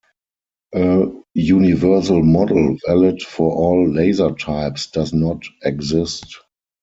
A universal model valid for all laser types does not exist.